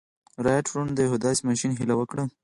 رایټ وروڼو د یوه داسې ماشين هیله وکړه